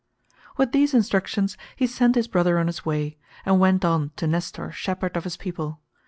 With these instructions he sent his brother on his way, and went on to Nestor shepherd of his people.